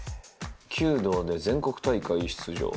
弓道で全国大会出場。